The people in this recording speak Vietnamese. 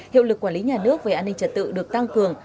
hiệu lực quản lý nhà nước về an ninh trật tự được tăng cường